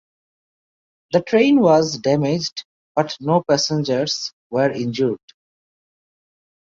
The train was damaged but no passengers were injured.